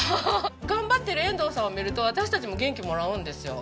頑張っている遠藤さんを見ると私たちも元気もらうんですよ。